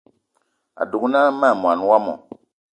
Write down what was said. Adugna ma mwaní wama